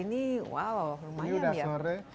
ini sudah sore